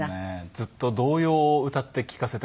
ずっと童謡を歌って聴かせてもらっていて。